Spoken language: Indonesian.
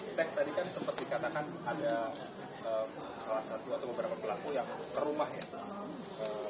kita tadi kan sempat dikatakan ada salah satu atau beberapa pelaku yang ke rumah ya